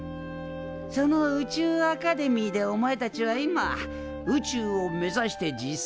その宇宙アカデミーでお前たちは今宇宙を目指して実際に学んどる。